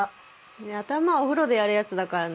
頭お風呂でやるやつだからね。